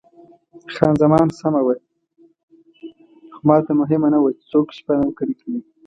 خان زمان سمه وه، خو ماته مهمه نه وه چې څوک شپه نوکري کوي.